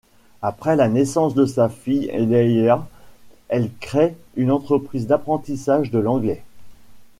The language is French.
Après la naissance de sa fille Layla, elle crée une entreprise d'apprentissage de l'anglais.